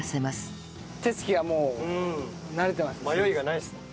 手つきがもう慣れてますね。